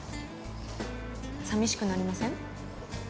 さみしくなりません？